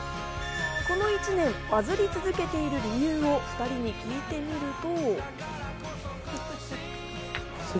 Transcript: この１年、バズり続けている理由を２人に聞いてみると。